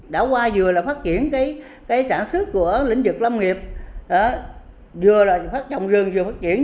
đã qua vừa là phát triển cái sản xuất của lĩnh vực lâm nghiệp vừa là trồng rừng vừa phát triển